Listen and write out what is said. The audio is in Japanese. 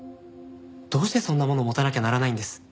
どうしてそんなもの持たなきゃならないんです？